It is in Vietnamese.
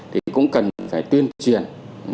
thì cũng cần phải tuyên truyền